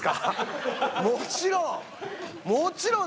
もちろん！